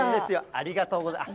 ありがとうございます。